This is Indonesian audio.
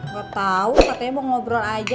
gak tau katanya mau ngobrol aja